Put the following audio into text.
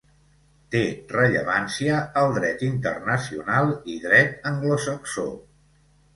Té rellevància al dret internacional i dret anglosaxó.